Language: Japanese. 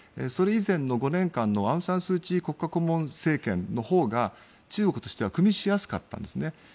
それ以前の５年間のアウン・サン・スー・チー国家顧問政権のほうが中国としてはくみしやすかったんですね。